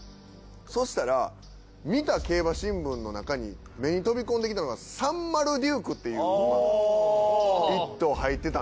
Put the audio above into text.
そしたら見た競馬新聞の中に目に飛び込んできたのがサンマルデュークっていう１頭入ってた。